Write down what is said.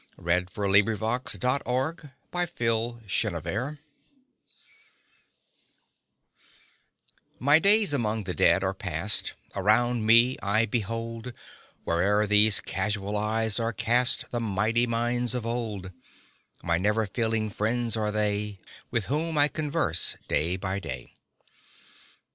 Stanzas Written in His Library 1V/TY days among the Dead are past; *•• Around me I behold, Where'er these casual eyes are cast, The mighty minds of old; My never failing friends are they, With whom I converse day by day.